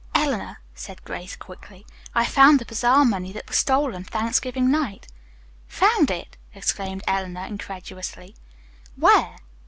"Eleanor," said Grace quickly, "I have found the bazaar money that was stolen Thanksgiving night." "Found it!" exclaimed Eleanor incredulously. "Where?"